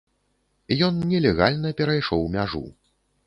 Ён нелегальна перайшоў мяжу.